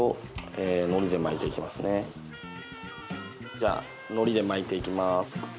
じゃあ海苔で巻いていきます。